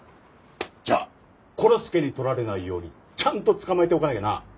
じゃあコロ助に取られないようにちゃんと捕まえておかなきゃな！